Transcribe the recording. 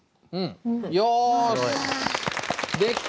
よし！